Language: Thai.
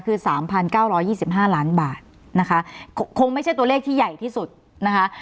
คือ๓๙๒๕ล้านบาทนะคะคงไม่ใช่ตัวเลขที่ใหญ่ที่สุดนะคะ